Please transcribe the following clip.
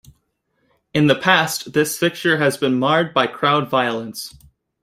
In the past this fixture has been marred by crowd violence.